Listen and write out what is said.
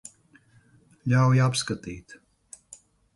Ļauj apskatīt.